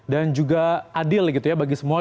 dan juga adil bagi semua